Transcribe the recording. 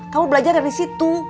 kamu belajar dari situ